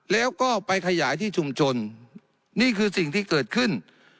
แล้วก็ไปขยายที่ชุมชนนี่คือสิ่งที่เกิดขึ้น